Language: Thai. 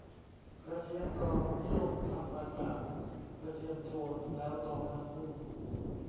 กระเทียมดอง นิยมทำมาจากกระเทียมโทน แล้วดองน้ำผึ้ง